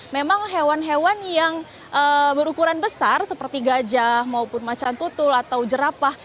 memang hewan hewan yang berukuran besar seperti gajah maupun macan tutul atau jerapah